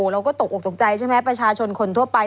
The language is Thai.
เราก็ตกออกตกใจใช่ไหมประชาชนคนทั่วไป